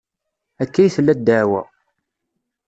Akka ay tella ddeɛwa.